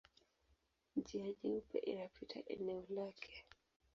Njia Nyeupe inapita eneo lake.